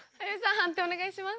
判定お願いします。